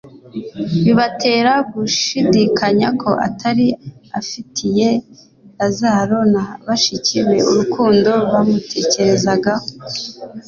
bibatera gushidikanya ko atari afitiye Lazaro na bashiki be urukundo bamutekerezagaho.